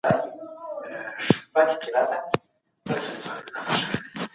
انسان کولای سي خپل فکر د مطالعې له لاري پراخ کړي.